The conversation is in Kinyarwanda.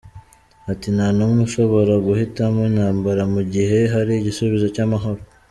Ati “Nta n’umwe ushobora guhitamo intambara mu gihe hari igisubizo cy’amahoro.